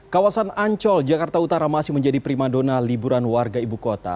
kawasan ancol jakarta utara masih menjadi prima dona liburan warga ibu kota